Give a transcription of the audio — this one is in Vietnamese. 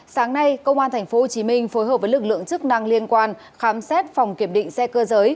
sáng nay công an tp hcm phối hợp với lực lượng chức năng liên quan khám xét phòng kiểm định xe cơ giới